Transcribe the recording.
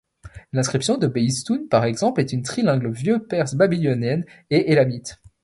L'inscription de Behistun, par exemple, est une trilingue vieux-perse, babylonienne et élamite.